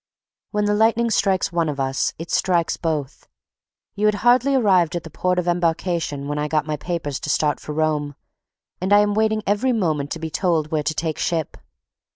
When the lightning strikes one of us it strikes both: you had hardly arrived at the port of embarkation when I got my papers to start for Rome, and I am waiting every moment to be told where to take ship.